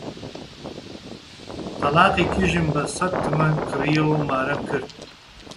تەڵاقی کیژم بە سەد تمەن کڕیەوە و مارەم کرد